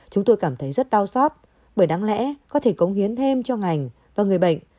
chúng tôi cảm thấy rất đau xót bởi đáng lẽ có thể cống hiến thêm cho ngành và người bệnh